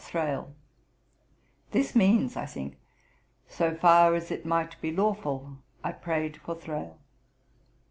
Thrale.' This means, I think, 'so far as it might be lawful, I prayed for Thrale.'